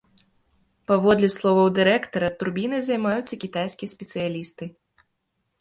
Паводле словаў дырэктара, турбінай займаюцца кітайскія спецыялісты.